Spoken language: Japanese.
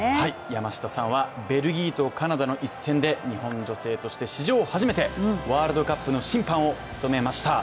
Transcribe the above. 山下さんはベルギーとカナダの１戦で日本女性として史上初めて、ワールドカップの審判を務めました。